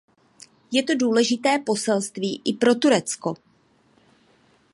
Je to důležité poselství i pro Turecko.